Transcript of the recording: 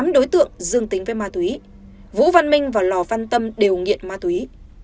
tám đối tượng dương tính với ma túy vũ văn minh và lò văn tâm đều nghiện ma túy